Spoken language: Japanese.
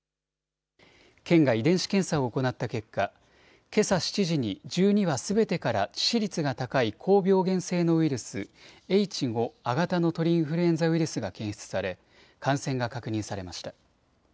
県が遺伝子検査を行った結果、けさ７時に１２羽すべてから致死率が高い高病原性のウイルス、Ｈ５亜型の鳥インフルエンザウイルスが検出され感染が確認されました。